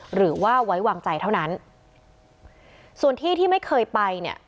หรือว่าไว้วางใจเท่านั้นส่วนที่ที่ไม่เคยไปเนี่ย